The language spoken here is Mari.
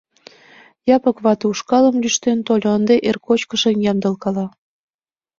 Япык вате ушкалым лӱштен тольо, ынде эр кочкышым ямдылкала.